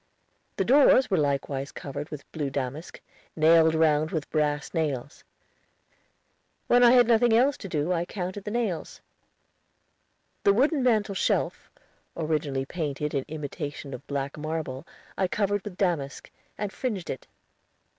The doors were likewise covered with blue damask, nailed round with brass nails. When I had nothing else to do I counted the nails. The wooden mantel shelf, originally painted in imitation of black marble, I covered with damask, and fringed it.